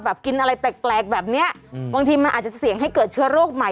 กินอะไรแปลกแบบนี้บางทีมันอาจจะเสี่ยงให้เกิดเชื้อโรคใหม่